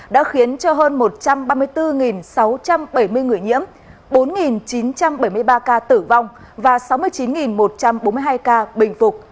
đã khiến cho hơn một trăm ba mươi bốn sáu trăm bảy mươi người nhiễm bốn chín trăm bảy mươi ba ca tử vong và sáu mươi chín một trăm bốn mươi hai ca bình phục